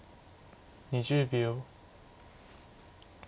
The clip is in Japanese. ２０秒。